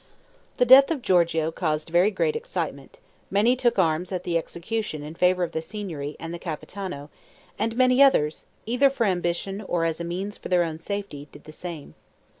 The death of Giorgio caused very great excitement; many took arms at the execution in favor of the Signory and the Capitano; and many others, either for ambition or as a means for their own safety, did the same.